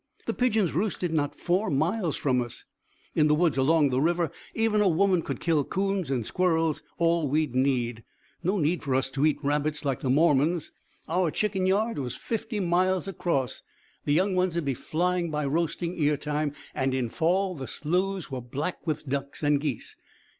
The pigeons roosted not four miles from us. In the woods along the river even a woman could kill coons and squirrels, all we'd need no need for us to eat rabbits like the Mormons. Our chicken yard was fifty miles across. The young ones'd be flying by roasting ear time and in fall the sloughs was black with ducks and geese.